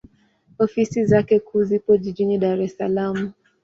Ofisi zake kuu zipo Jijini Dar es Salaam.